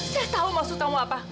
saya tahu maksud kamu apa